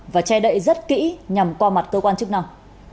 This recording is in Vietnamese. và che đậy rất kỹ nhằm qua mặt cơ quan chức năng